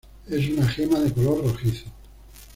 Es una gema de color rojizo.